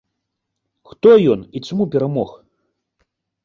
Хто ён і чаму перамог?